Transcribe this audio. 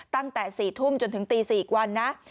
ตั้งแต่๔ทุ่มจนถึงตี๔วันนะ